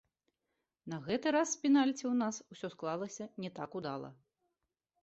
На гэты раз з пенальці ў нас усё склалася не так удала.